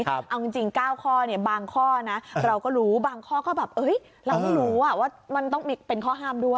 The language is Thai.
เอาจริง๙ข้อเนี่ยบางข้อนะเราก็รู้บางข้อก็แบบเราไม่รู้ว่ามันต้องมีเป็นข้อห้ามด้วย